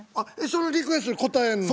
そのリクエストに応えんの？